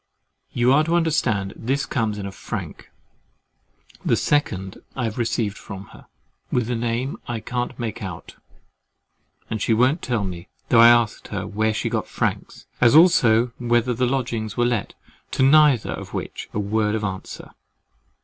You are to understand, this comes in a frank, the second I have received from her, with a name I can't make out, and she won't tell me, though I asked her, where she got franks, as also whether the lodgings were let, to neither of which a word of answer.